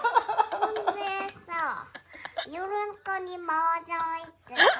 ほんでぇさぁ、夜中にマージャン行ってさ。